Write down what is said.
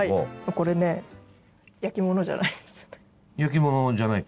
これね焼き物じゃないかもです。